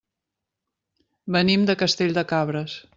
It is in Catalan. Venim de Castell de Cabres.